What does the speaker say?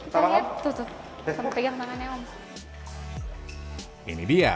perpustakaan kekinian di ibu kota